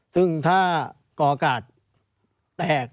ซึ่งถ้าก่ออากาศแตก